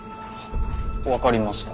わかりました。